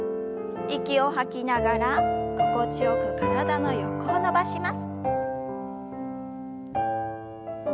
息を吐きながら心地よく体の横を伸ばします。